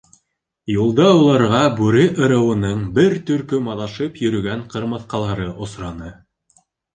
Юлда уларға Бүре ырыуының бер төркөм аҙашып йөрөгән ҡырмыҫҡалары осраны.